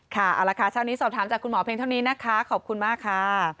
ค่ะเอาละค่ะเช้านี้สอบถามจากคุณหมอเพียงเท่านี้นะคะขอบคุณมากค่ะ